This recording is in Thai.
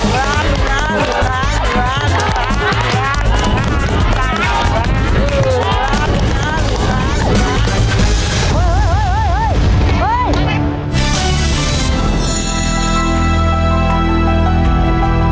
เฮ้ยเฮ้ยเฮ้ย